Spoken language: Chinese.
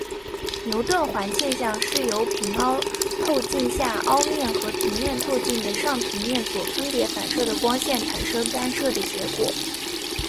牛顿环现象是由平凸透镜下凸面和平面透镜的上平面所分别反射的光线产生干涉的结果。